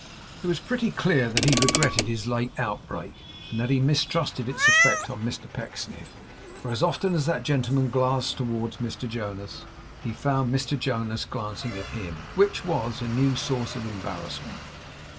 It was pretty clear that he regretted his late outbreak, and that he mistrusted its effect on Mr Pecksniff; for as often as that gentleman glanced towards Mr Jonas, he found Mr Jonas glancing at him, which was a new source of embarrassment.